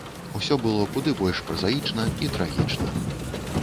Усё было куды больш празаічна і трагічна.